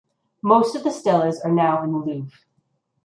Most of the steles are now in the Louvre.